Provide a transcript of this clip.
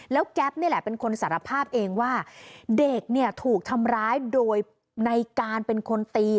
แล้วแก๊ปนี่แหละเป็นคนสารภาพเองว่าเด็กเนี่ยถูกทำร้ายโดยในการเป็นคนตี